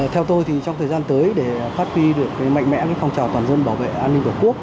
theo tôi thì trong thời gian tới để phát huy được mạnh mẽ phong trào toàn dân bảo vệ an ninh của quốc